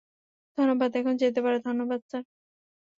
ধন্যবাদ -এখন যেতে পারো - ধন্যবাদ, স্যার।